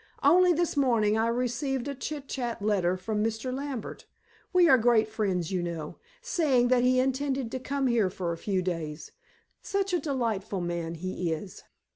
"Only this morning I received a chit chat letter from Mr. Lambert we are great friends you know saying that he intended to come here for a few days. Such a delightful man he is."